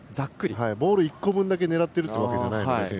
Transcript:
ボール１個分だけ狙っているわけじゃないので。